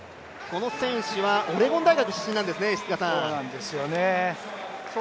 この選手はオレゴン大学出身なんですね。